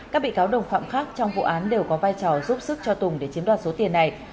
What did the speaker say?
các bị cáo đồng phạm khác trong vụ án đều có vai trò giúp sức cho tùng để chiếm đoạt số tiền này